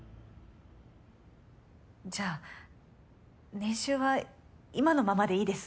じゃあ年収は今のままでいいです。